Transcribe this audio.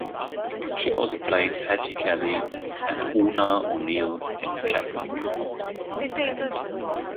She also played Hetty Kelly and Oona O'Neill in "Chaplin".